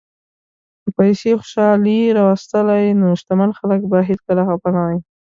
که پیسې خوشالي راوستلی، نو شتمن خلک به هیڅکله خپه نه وای.